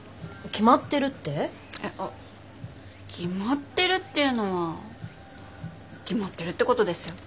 決まってるっていうのは決まってるってことですよ。